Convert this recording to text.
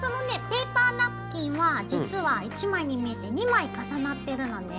ペーパーナプキンは実は１枚に見えて２枚重なってるのね。